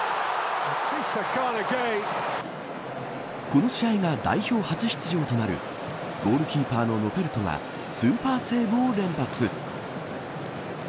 この試合が代表初出場となるゴールキーパーのノペルトがスーパーセーブを連発。